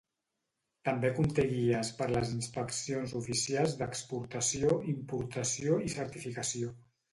També conté guies per les inspeccions oficials d'exportació, importació i certificació.